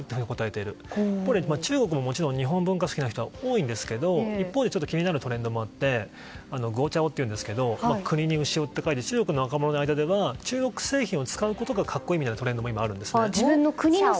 つまり中国も日本の文化が好きな人は多いんですけど一方で気になるトレンドがあってゴーチャオっていうんですけど国に潮と書いて中国の若者たちの間では中国製品を使うことが格好いいみたいなトレンドがあるんです。